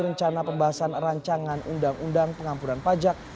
rencana pembahasan rancangan undang undang pengampunan pajak